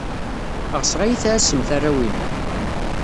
Ɣseɣ ad iyi-tɛassemt arraw-inu.